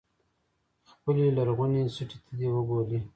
خپلې لرغونې سټې ته دې وګوري.